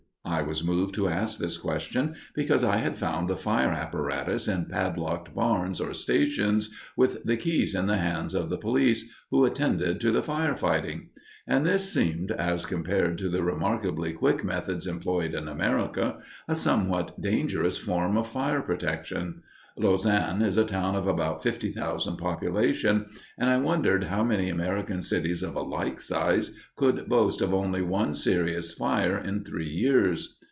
I was moved to ask this question because I had found the fire apparatus in padlocked barns, or stations, with the keys in the hands of the police, who attended to the fire fighting; and this seemed, as compared to the remarkably quick methods employed in America, a somewhat dangerous form of fire protection. Lausanne is a town of about fifty thousand population, and I wondered how many American cities of a like size could boast of only one serious fire in three years.